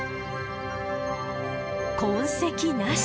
痕跡なし。